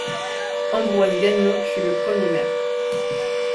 Ambroise Gagnon fut le premier maire.